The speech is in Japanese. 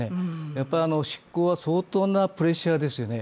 やっぱり執行は相当なプレッシャーですよね。